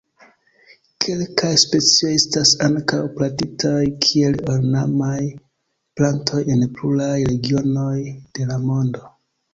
Kelkaj specioj estas ankaŭ plantitaj kiel ornamaj plantoj en pluraj regionoj de la mondo.